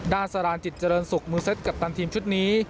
สรานจิตเจริญสุขมือเซ็ตกัปตันทีมชุดนี้